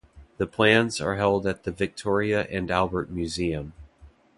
The plans are held at the Victoria and Albert Museum.